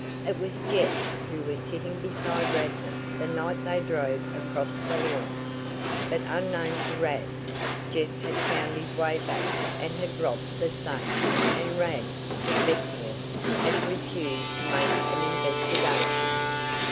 It was Jeff who was sitting beside Radnor the night they drove across the lawn. But unknown to Rad, Jeff had found his way back and had robbed the safe, and Rad suspecting it, had refused to make an investigation.